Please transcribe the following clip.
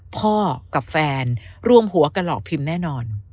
พ่อกับแฟนรวมหัวกันหรอกพี่แน่นอน